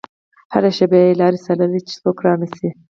هره شېبه يې لارې څارلې چې څوک رانشي.